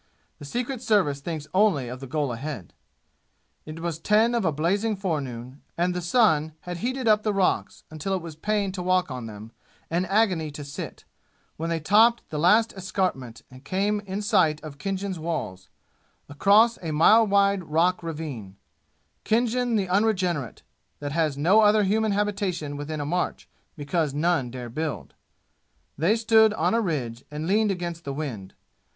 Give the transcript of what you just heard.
The Secret Service thinks only of the goal ahead. It was ten of a blazing forenoon, and the sun had heated up the rocks until it was pain to walk on them and agony to sit, when they topped the last escarpment and came in sight of Khinjan's walls, across a mile wide rock ravine Khinjan the unregenerate, that has no other human habitation within a march because none dare build. They stood on a ridge and leaned against the wind.